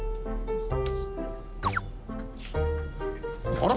あら？